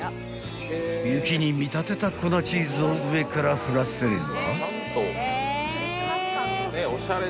［雪に見立てた粉チーズを上から降らせれば］